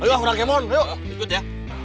ayo lah kurang gemon ikut ya